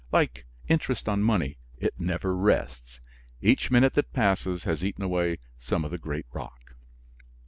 Like interest on money, it never rests, each minute that passes has eaten away some of the great rock.